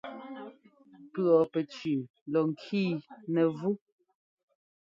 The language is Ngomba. Pʉ̈ pɛcʉʉ lɔ ŋkii nɛ́vú.